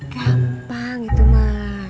gampang itu mah